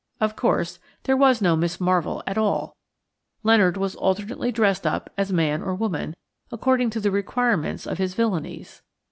Of course, there was no Miss Marvell at all. Leonard was alternately dressed up as man or woman, according to the requirements of his villainies.